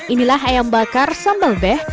inilah ayam bakar sambal beh